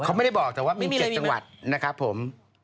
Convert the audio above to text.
เขาไม่ได้บอกแต่ว่ามี๗จังหวัดนะครับผม